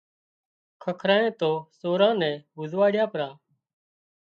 ککرانئي تو سوران نين هوزواڙيا پرا